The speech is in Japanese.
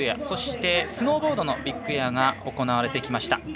そして、スノーボードのビッグエアが行われてきました。